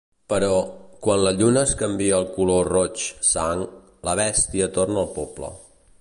Però, quan la lluna es canvia al color roig sang, la bèstia torna al poble.